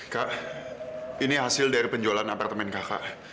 kak ini hasil dari penjualan apartemen kakak